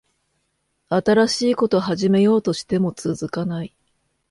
新しいこと始めようとしても続かない